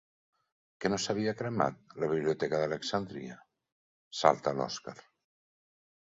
Que no s'havia cremat, la Biblioteca d'Alexandria? —salta l'Òskar.